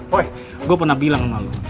woy gua pernah bilang sama lu